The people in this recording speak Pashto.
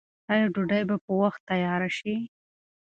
آیا ډوډۍ به په وخت تیاره شي؟